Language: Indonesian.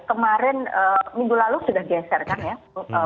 kemarin minggu lalu sudah geser kan ya